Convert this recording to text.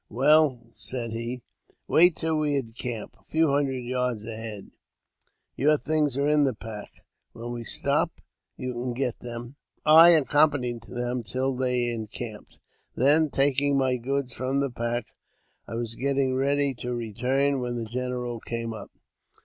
" Well," said he, " wait till we encamp, a few hundred yards :ahead. Your things are in the pack ; when we stop you can get them." I accompanied them till they encamped ; then, taking my goods from the pack, I was getting ready to return, when the general came up.